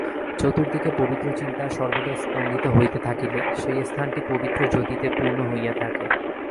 চতুর্দিকে পবিত্র চিন্তা সর্বদা স্পন্দিত হইতে থাকিলে সেই স্থানটি পবিত্র জ্যোতিতে পূর্ণ হইয়া থাকে।